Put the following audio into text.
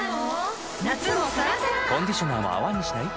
コンディショナーも泡にしない？